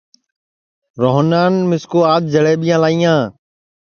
روہنان مِسکُو آج جݪئٻیاں لائیاں